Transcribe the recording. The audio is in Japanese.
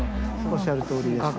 おっしゃるとおりです。